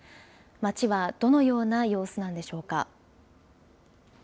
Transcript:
街はどのような様子なんでしょうか。